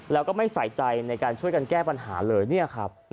แล้วก็ไม่ใส่ใจในการช่วยกันแก้ปัญหาเลย